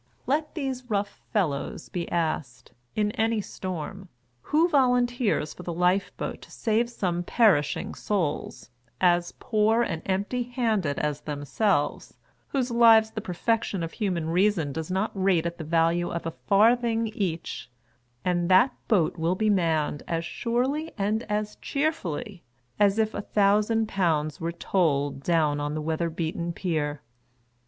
Let these rough fellows be asked, in any storm, who volunteers for the Life Boat to save some perish ing souls, as poor and empty handed as them selves, whose lives the perfection of human reason does not rate at the value of a farthing each ; and that boat will be manned, as surely and as cheerfully, as if a thousand pounds were told down on the weather beaten pier.